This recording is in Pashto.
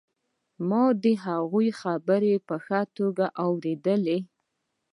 ما د هغوی خبرې په ښه توګه اورېدلې